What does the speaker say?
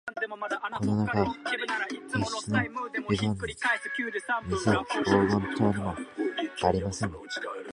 この中へしのびこんで、にせ黄金塔にもまよわされず、ほんものの宝物をぬすむことができるとすれば、二十面相は、もう魔法使いどころではありません。